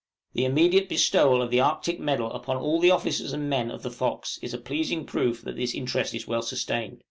The immediate bestowal of the Arctic medal upon all the officers and men of the 'Fox' is a pleasing proof that this interest is well sustained.